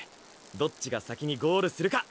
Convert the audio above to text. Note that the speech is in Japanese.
どっちが先にゴールするか勝負だ！